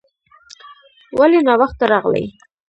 ولې ناوخته راغلې ؟